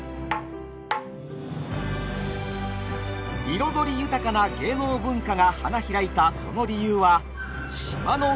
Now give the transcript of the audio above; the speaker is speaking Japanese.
彩り豊かな芸能文化が花開いたその理由は島の歴史の中に。